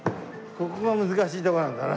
ここが難しいとこなんだな。